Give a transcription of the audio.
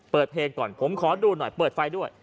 เปิดเพลงก่อนผมขอดูหน่อยเปิดไฟด้วย